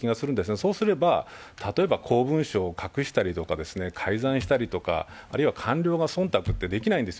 そうすれば、例えば公文書を隠したり、改ざんしたりとか、あるいは官僚が忖度ってできないんですよ。